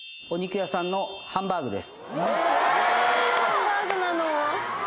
お肉屋さんのハンバーグ。